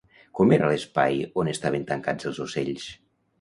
Com era l'espai on estaven tancats els ocells?